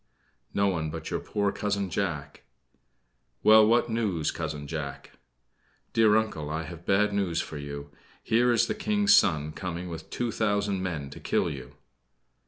"No one but your poor Cousin Jack." "Well, what news, Cousin Jack?" "Dear Uncle, I have bad news for you. Here is the King's son coming with two thousand men to kill you!"